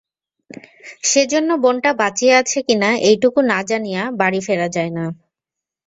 সেজন্য বোনটা বাঁচিয়া আছে কি না এইটুকু না জানিয়া বাড়ি ফেরা যায় না।